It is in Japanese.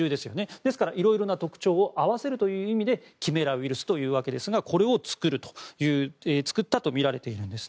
ですからいろいろな特徴を合わせるという意味でキメラウイルスですがこれを作ったとみられるんです。